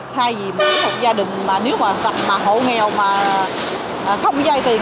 thay vì một gia đình mà nếu mà hộ nghèo mà không dây tiền